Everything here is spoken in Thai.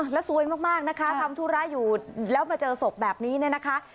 แล้วซวยมากนะคะทำธุระอยู่แล้วมาเจอศพแบบนี้เนี่ยนะคะ